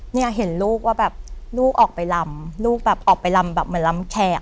เนี่ยเห็นลูกว่าแบบลูกออกไปลำลูกแบบออกไปลำแบบเหมือนลำแขก